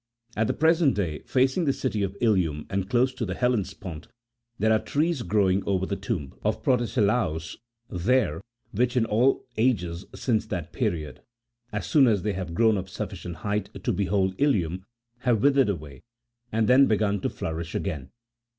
At the present day, lacing the city of Ilium, and close to the Hellespont, there are trees growing over the tomb63 of Protesilaiis there, which, in all ages since that period, as soon as they have grown of suffi cient height to behold Ilium, have withered away, and then begun to nourish again.